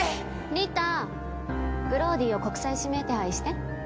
リタグローディを国際指名手配して。